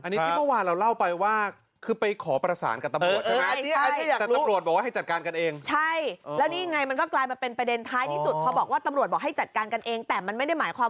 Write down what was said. อันนี้ที่เมื่อวานเราเล่าไปว่าคือไปขอประสานกับตำรวจใช่ไหม